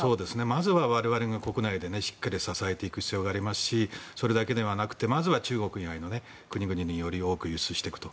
まずは我々が国内でしっかり支えていく必要がありますしそれだけではなくまずは中国以外のより多くの国に売っていくと。